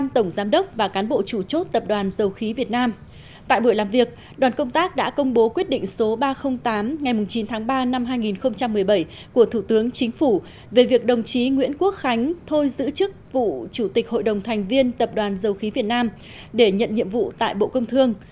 tại buổi làm việc đoàn công tác đã công bố quyết định số ba trăm linh tám ngày chín tháng ba năm hai nghìn một mươi bảy của thủ tướng chính phủ về việc đồng chí nguyễn quốc khánh thôi giữ chức vụ chủ tịch hội đồng thành viên tập đoàn dầu khí việt nam để nhận nhiệm vụ tại bộ công thương